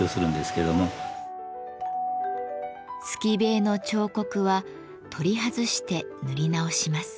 透塀の彫刻は取り外して塗り直します。